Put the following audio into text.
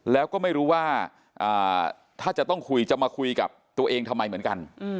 แล้วก็ไม่รู้ว่าถ้าจะต้องคุยจะมาคุยกับตัวเองทำไมเหมือนกัน